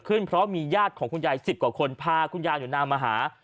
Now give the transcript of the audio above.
ขึ้นเพราะมีญาติของคุณยายสิบกว่าคนพาคุณยานุนามาหา